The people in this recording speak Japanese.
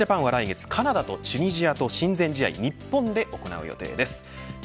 森保ジャパンは来月カナダとチュニジアと親善試合を日本で行う予定です。